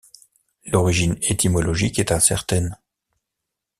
L'origine étymologique est incertaine.